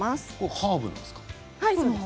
ハーブなんです。